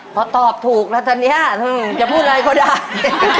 พอตอบถูกแล้วตอนนี้จะพูดอะไรก็ได้